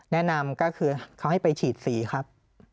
แนะนำก็คือเขาให้ไปฉีดสีครับ